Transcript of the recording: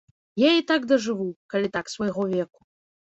Я і так дажыву, калі так, свайго веку.